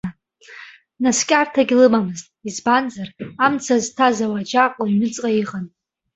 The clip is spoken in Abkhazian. Наскьарҭагь лымамызт, избанзар, амца зҭаз ауаџьаҟ лыҩныҵҟа иҟан.